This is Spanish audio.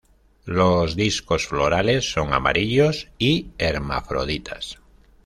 Los discos florales son amarillos y hermafroditas.